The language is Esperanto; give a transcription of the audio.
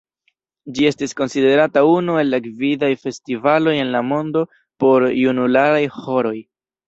Ĝi estas konsiderata unu el la gvidaj festivaloj en la mondo por junularaj ĥoroj.